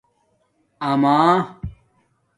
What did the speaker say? آمہ